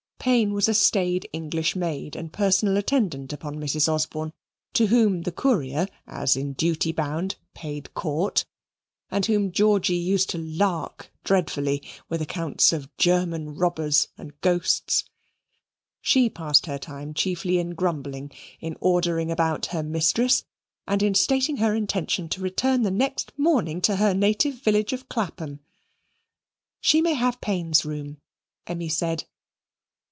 Payne was a staid English maid and personal attendant upon Mrs. Osborne, to whom the courier, as in duty bound, paid court, and whom Georgy used to "lark" dreadfully with accounts of German robbers and ghosts. She passed her time chiefly in grumbling, in ordering about her mistress, and in stating her intention to return the next morning to her native village of Clapham. "She may have Payne's room," Emmy said.